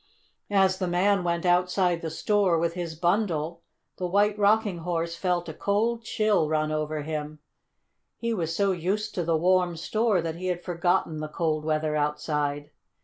As the man went outside the store with his bundle the White Rocking Horse felt a cold chill run over him. He was so used to the warm store that he had forgotten the cold weather outside.